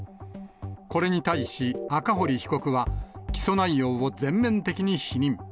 これに対し赤堀被告は、起訴内容を全面的に否認。